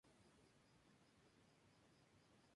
La noche en que una becaria encontró a Emiliano Revilla".